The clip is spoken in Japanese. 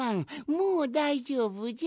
もうだいじょうぶじゃ。